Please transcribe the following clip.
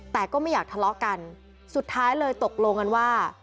แต่ก็ไม่อยากทะเลาะกันสุดท้ายเลยตกลงกันว่า